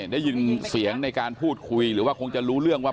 ได้ยินเสียงในการพูดคุยหรือว่าคงจะรู้เรื่องว่า